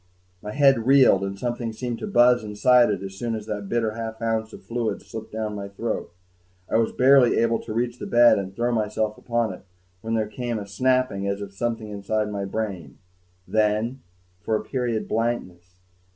My head reeled, and something seemed to buzz inside it as soon as the bitter half ounce of fluid slipped down my throat. I was barely able to reach the bed and throw myself upon it when there came a snapping as of something inside my brain ... then, for a period, blankness